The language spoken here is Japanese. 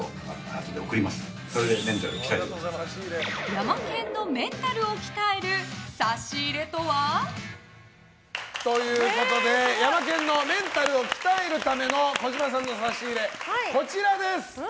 ヤマケンのメンタルを鍛える差し入れとは？ということで、ヤマケンのメンタルを鍛えるための児嶋さんの差し入れこちらです！